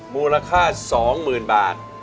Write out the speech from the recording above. มูลค่าสองหมื่นบาท